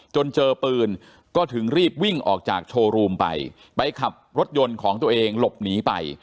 จนเจอปืนก็ถึงรีบวิ่งออกจากโชว์รูมไปไปขับรถยนต์ของตัวเองหลบหนีไป